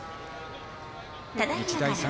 日大三